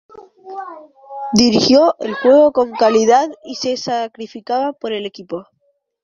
Dirigió el juego con calidad y se sacrificaba por el equipo.